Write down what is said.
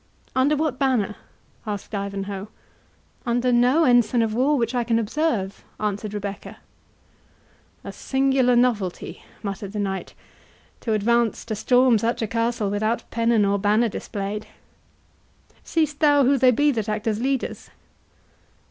"Under what banner?" asked Ivanhoe. "Under no ensign of war which I can observe," answered Rebecca. "A singular novelty," muttered the knight, "to advance to storm such a castle without pennon or banner displayed!—Seest thou who they be that act as leaders?"